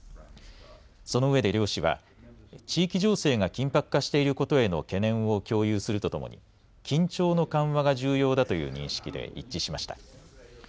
その上で両氏は、地域情勢が緊迫化していることへの懸念を共有するとともに、緊張の緩和が重要だという認識で一致しました。